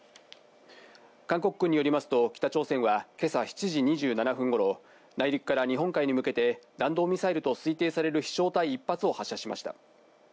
韓国軍によりますと北朝鮮は今朝７時２７分頃、内陸から日本海に向けて弾道ミサイルと推定される飛翔体１発を発射しました。